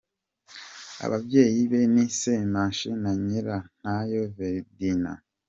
Ababyeyi be ni Semushi na Nyirantaho Veridiyana.